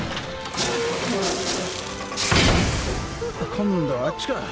今度はあっちか。